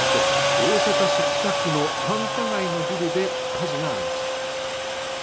大阪市北区の繁華街のビルで火事がありました